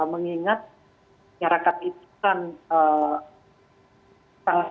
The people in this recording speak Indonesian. mengingat masyarakat itu kan segmentasinya sangat luas